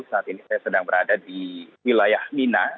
saat ini saya sedang berada di wilayah mina